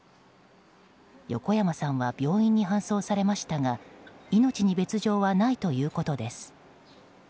横山さんは病院に搬送されましたが命に別条はないということです。